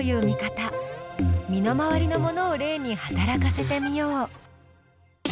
身の回りのものを例に働かせてみよう。